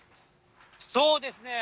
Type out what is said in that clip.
そうですね。